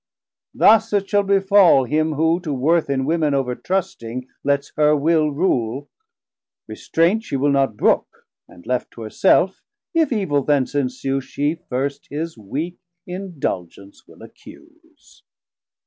Thus it shall befall Him who to worth in Women overtrusting Lets her Will rule; restraint she will not brook, And left to her self, if evil thence ensue, Shee first his weak indulgence will accuse.